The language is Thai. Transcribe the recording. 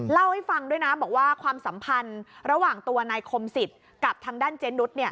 เล่าให้ฟังด้วยนะบอกว่าความสัมพันธ์ระหว่างตัวนายคมสิทธิ์กับทางด้านเจนุส